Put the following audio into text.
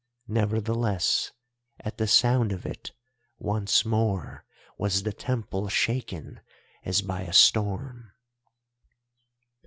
Nevertheless, at the sound of it, once more was the Temple shaken as by a storm.